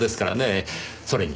それに。